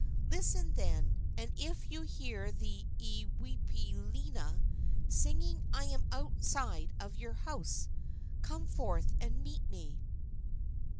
Listen, then, and if you hear the iiwipolena singing I am outside of your house. Come forth and meet me."